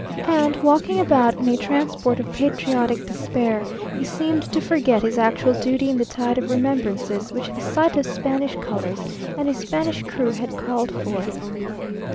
and, walking about in a transport of patriotic despair, he seemed to forget his actual duty in the tide of remembrances which the sight of Spanish colours and a Spanish crew had called forth.